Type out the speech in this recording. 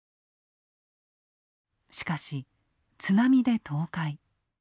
しかし津波で倒壊。